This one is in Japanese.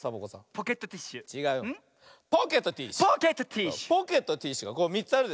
ポケットティッシュが３つあるでしょ。